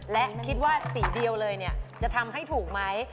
และคิดว่าสีเดียวเลยจะทำให้ถูกไหม